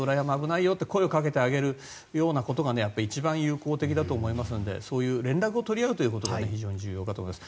声をかけてあげるようなことが一番有効的だと思いますので連絡を取り合うということが非常に重要かと思います。